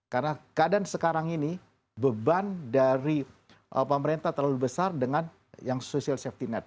karena keadaan sekarang ini beban dari pemerintah terlalu besar dengan yang social safety net